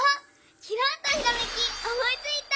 きらんとひらめきおもいついた！